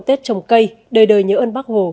tết trồng cây đời đời nhớ ơn bác hồ